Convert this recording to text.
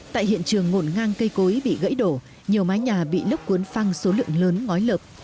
tại hiện trường ngộn ngang cây cối bị gãy đổ nhiều mái nhà bị lốc cuốn phăng số lượng lớn ngói lợp